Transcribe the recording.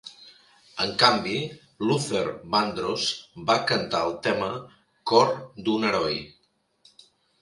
En canvi, Luther Vandross va cantar el tema "Cor d'un heroi".